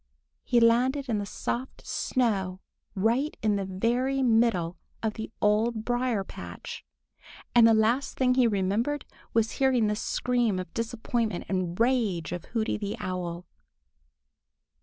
he landed in the soft snow right in the very middle of the Old Briar patch, and the last thing he remembered was hearing the scream of disappointment and rage of Hooty the Owl.